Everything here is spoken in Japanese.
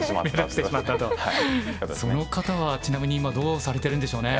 その方はちなみに今はどうされてるんでしょうね。